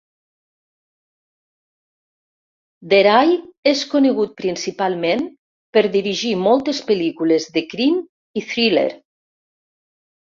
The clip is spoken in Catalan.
Deray és conegut principalment per dirigir moltes pel·lícules de crim i thriller.